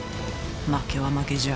負けは負けじゃ。